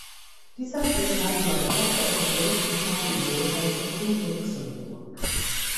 Dieser Flughafen war der erste offizielle Flughafen im Großherzogtum Luxemburg.